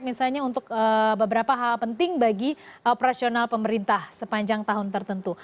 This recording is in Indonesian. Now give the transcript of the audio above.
misalnya untuk beberapa hal penting bagi operasional pemerintah sepanjang tahun tertentu